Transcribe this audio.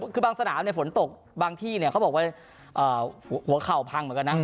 คือบางสนามฝนตกบางที่เขาบอกว่าหัวเข่าพังเหมือนกันนะ